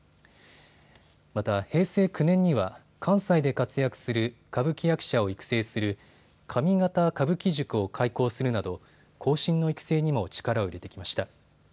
また平成９年には関西で活躍する歌舞伎役者を育成する上方歌舞伎塾を開講するなど後進の育成にも力を入れてきました。